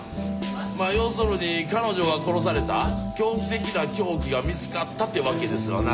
まぁ要するに彼女が殺された「狂気的な凶器」が見つかったってわけですわな。